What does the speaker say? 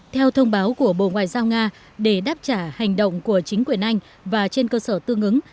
theo thông báo của bộ ngoại giao nga để đáp trả hành động của chính quyền anh và trên cơ sở tương ứng